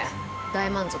大満足。